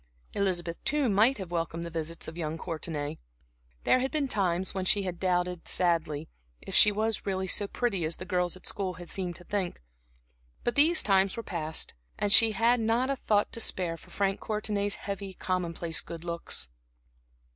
Elizabeth, too, might have welcomed the visits of young Courtenay. There had been times when she had doubted, sadly, if she were really so pretty as the girls at school had seemed to think. But these times were past, and she had not a thought to spare for Frank Courtenay's heavy, commonplace good looks.